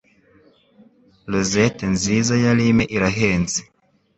rosettes nziza ya lime irahenze,